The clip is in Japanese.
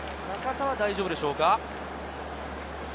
中田は大丈夫でしょうか？